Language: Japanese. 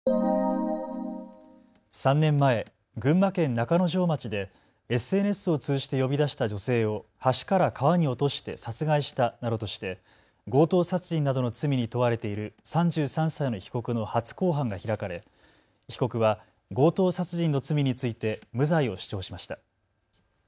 ３年前、群馬県中之条町でＳＮＳを通じて呼び出した女性を橋から川に落として殺害したなどとして強盗殺人などの罪に問われている３３歳の被告の初公判が開かれ被告は強盗殺人の罪について無罪を主張しました。